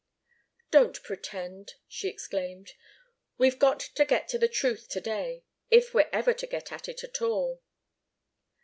"Don't pretend!" she exclaimed. "We've got to get at the truth to day, if we're ever to get at it at all."